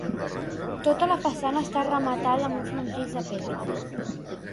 Tota la façana està rematada amb un frontis de pedra.